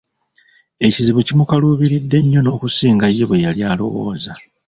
Ekizibu kimukaluubiridde nnyo n'okusinga ye bweyali alowooza.